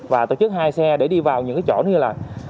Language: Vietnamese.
và tổ chức hai xe để đi vào những cái chỗ như là